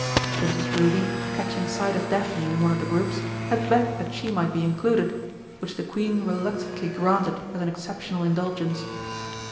Princess Ruby, catching sight of Daphne in one of the groups, had begged that she might be included, which the Queen reluctantly granted as an exceptional indulgence.